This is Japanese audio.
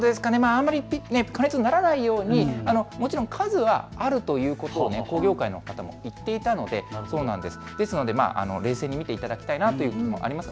あまり加熱にならないようにもちろん数はあるということを工業会の方も言っていたんですが冷静に見ていただきたいなということもあります。